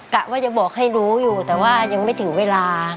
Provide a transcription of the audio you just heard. กะว่าจะบอกให้รู้อยู่แต่ว่ายังไม่ถึงเวลา